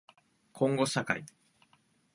こんごしゃかい